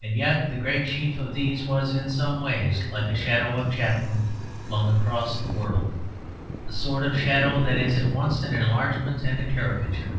And yet the great chief of these was in some ways like a shadow of Chatham flung across the world the sort of shadow that is at once an enlargement and a caricature.